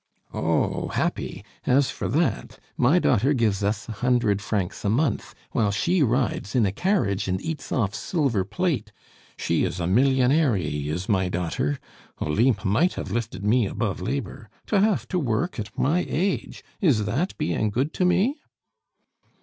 "Oh, happy? As for that! My daughter gives us a hundred francs a month, while she rides in a carriage and eats off silver plate she is a millionary, is my daughter! Olympe might have lifted me above labor. To have to work at my age? Is that being good to me?"